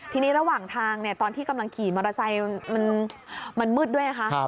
ทีนี้ระหว่างทางตอนที่กำลังขี่มอเตอร์ไซค์มันมืดด้วยนะคะ